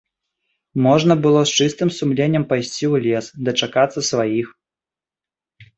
Можна было з чыстым сумленнем пайсці ў лес, дачакацца сваіх.